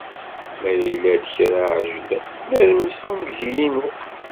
Ma yella-d kra iεeǧlen, nermes d umgi-inu.